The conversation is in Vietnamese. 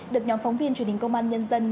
được nhóm phóng viên truyền hình công an nhân dân